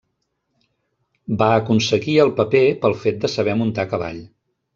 Va aconseguir el paper pel fet de saber muntar a cavall.